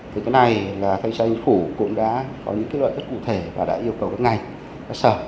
thế cái này là thanh tra anh phủ cũng đã có những cái loại thất cụ thể và đã yêu cầu các ngành các sở